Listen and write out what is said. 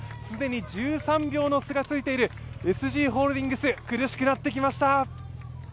既に１３秒の差がついている、ＳＧホールディングス、苦しくなってきました。